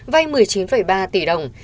vay một mươi chín ba tỷ đồng